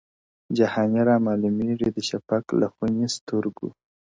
جهاني رامعلومېږي د شفق له خوني سترګو-